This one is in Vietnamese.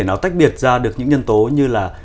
nó tách biệt ra được những nhân tố như là